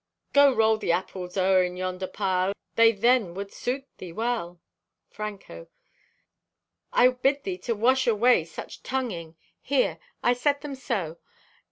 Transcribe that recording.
Go, roll the apples o'er in yonder pile. They then would suit thee well!" (Franco) "Telka, I bid thee to wash away such tunging. Here, I set them so.